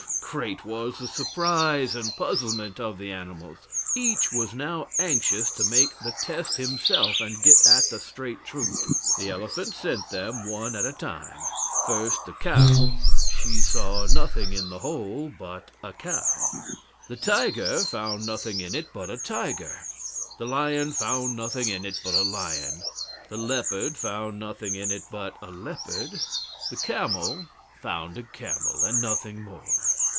Great was the surprise and puzzlement of the animals. Each was now anxious to make the test himself and get at the straight truth. The elephant sent them one at a time. First, the cow. She found nothing in the hole but a cow. The tiger found nothing in it but a tiger. The lion found nothing in it but a lion. The leopard found nothing in it but a leopard. The camel found a camel, and nothing more.